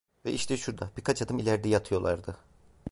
Ve işte şurada, birkaç adım ileride yatıyorlardı.